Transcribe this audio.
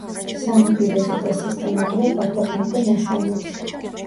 სანაპიროზე და სისტემატურად აქვეყნებდა ნაშრომებს.